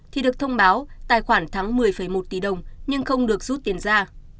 chị tê được thông báo tài khoản thắng một mươi một tỷ đồng nhưng không được rút tiền ra